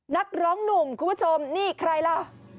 นักร้องหนุ่มคุณผู้ชมนี่ใครล่ะ